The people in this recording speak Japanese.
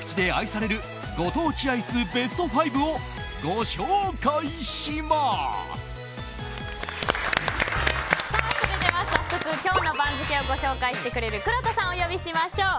それでは早速、今日の番付をご紹介してくれるくろうとさんをお呼びしましょう。